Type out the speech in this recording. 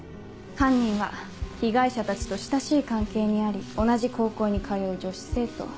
犯人は被害者たちと親しい関係にあり同じ高校に通う女子生徒。